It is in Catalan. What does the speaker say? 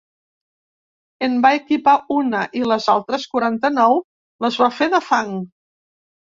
En va equipar una i les altres quaranta-nou les va fer de fang.